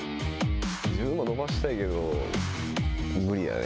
自分も伸ばしたいけど、無理やね。